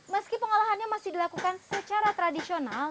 meski pengolahannya masih dilakukan secara tradisional